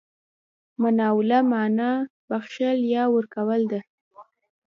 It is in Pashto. مناوله مانا بخښل، يا ورکول ده.